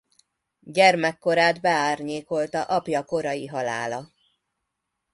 Gyermekkorát beárnyékolta apja korai halála.